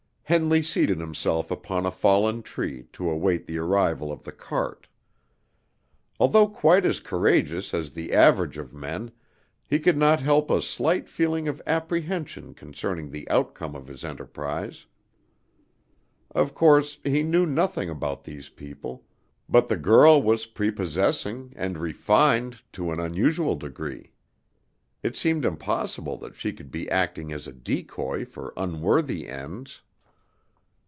Henley seated himself upon a fallen tree, to await the arrival of the cart. Although quite as courageous as the average of men, he could not help a slight feeling of apprehension concerning the outcome of his enterprise. Of course, he knew nothing about these people; but the girl was prepossessing and refined to an unusual degree. It seemed impossible that she could be acting as a decoy for unworthy ends.